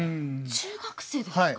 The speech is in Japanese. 中学生ですか？